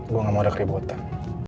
gue gak mau ada keributan